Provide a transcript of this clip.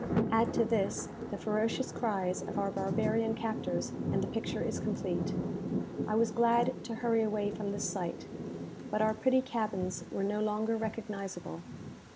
Add to this the ferocious cries of our barbarian captors, and the picture is complete. I was glad to hurry away from this sight; but our pretty cabins were no longer recognizable.